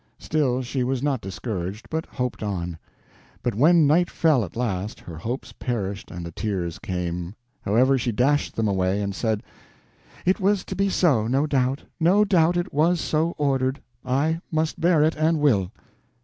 Still she was not discouraged, but hoped on. But when night fell at last, her hopes perished, and the tears came; however, she dashed them away, and said: "It was to be so, no doubt; no doubt it was so ordered; I must bear it, and will."